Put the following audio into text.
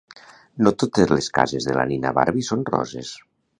No totes les cases de la nina Barbie són roses